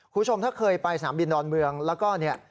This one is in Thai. คุณผู้ชมถ้าเคยไปสนามบินดอนเมืองแล้วก็เนี่ย